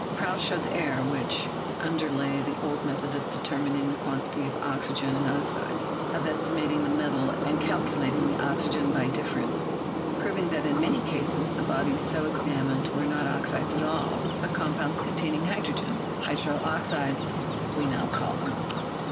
Proust showed the error which underlay the old method of determining the quantity of oxygen in oxides, of esti mating the metal and calculating the oxygen by difference, proving that in many cases the bodies so examined were not oxides at all, but compounds containing hydrogen — ATOMIC THEORY— WORK OF DAVY 179 hydroxides we now call them.